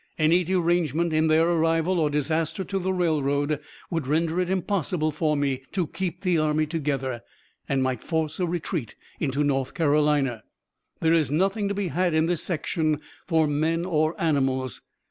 Any derangement in their arrival or disaster to the railroad would render it impossible for me to keep the army together and might force a retreat into North Carolina. There is nothing to be had in this section for men or animals.